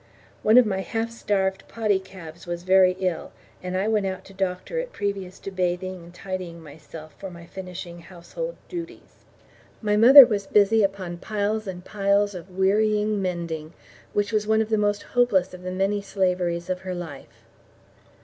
One of my half starved poddy calves was very ill, and I went out to doctor it previous to bathing and tidying myself for my finishing household duties. My mother was busy upon piles and piles of wearying mending, which was one of the most hopeless of the many slaveries of her life.